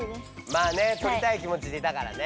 まあねとりたい気もちでいたからね。